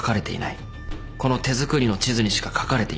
この手作りの地図にしか書かれていないんだ。